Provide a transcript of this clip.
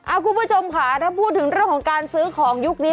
คุณผู้ชมค่ะถ้าพูดถึงเรื่องของการซื้อของยุคนี้